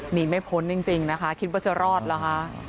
หนีไม่พ้นจริงนะคะคิดว่าจะรอดเหรอคะ